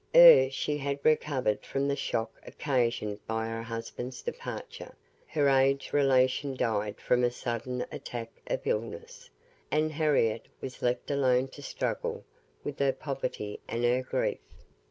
Ere she had recovered from the shock occasioned by her husband's departure, her aged relation died from a sudden attack of illness, and Harriette was left alone to struggle with her poverty and her grief.